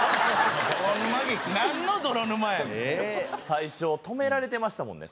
最初止められてましたもんね